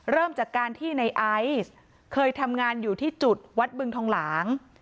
เริ่มจากการที่ในไอซ์เคยทำงานอยู่ที่จุดวัดบึงทองหลาง